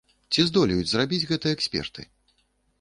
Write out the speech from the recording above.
Ці здолеюць зрабіць гэта эксперты?